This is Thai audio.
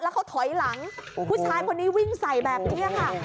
เขาถอยหลังผู้ชายคนนี้วิ่งใส่แบบนี้ค่ะ